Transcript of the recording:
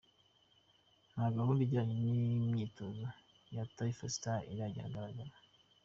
Nta gahunda ijyanye n’imyitozo ya Taifa Stars irajya ahagaragara.